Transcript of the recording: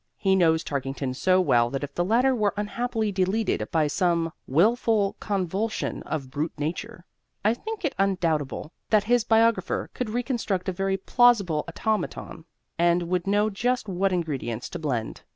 He knows Tarkington so well that if the latter were unhappily deleted by some "wilful convulsion of brute nature" I think it undoubtable that his biographer could reconstruct a very plausible automaton, and would know just what ingredients to blend.